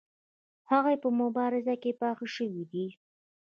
هغوی په مبارزه کې پاخه شوي دي.